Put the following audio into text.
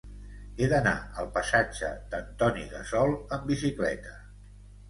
He d'anar al passatge d'Antoni Gassol amb bicicleta.